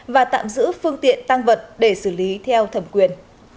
và tạm giữ phương tiện tăng vật để xử lý theo thẩm quyền